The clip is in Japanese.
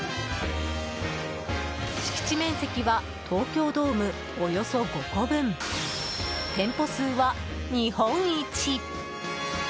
敷地面積は東京ドームおよそ５個分店舗数は日本一！